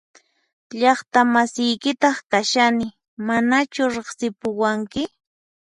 Llaqta masiykitaq kashani ¿Manachu riqsipuwanki?